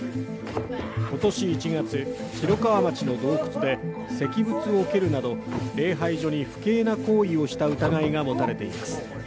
今年１月、広川町の洞窟で石仏を蹴るなど礼拝所に不敬な行為をした疑いが持たれています。